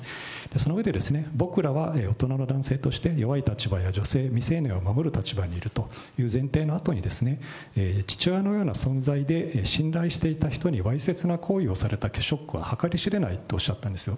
その上で、僕らは大人の男性として、弱い立場の女性、未成年を守る立場にいるという前提のあとに、父親のような存在で、信頼していた人にわいせつな行為をされたショックは計り知れないとおっしゃったんですよ。